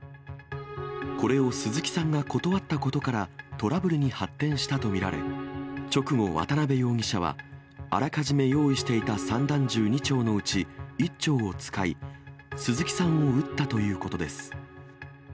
これを鈴木さんが断ったことから、トラブルに発展したと見られ、直後、渡辺容疑者はあらかじめ用意していた散弾銃２丁のうち１丁を使い、鈴木さんを撃ったということです。